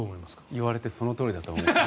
言われてそのとおりだと思います。